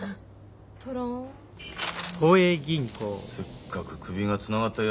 せっかく首がつながったやさきにな。